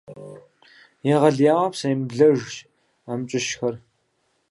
Егъэлеяуэ псэемыблэжщ амкӀыщхэр.